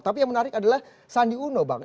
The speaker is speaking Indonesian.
tapi yang menarik adalah sandi uno bang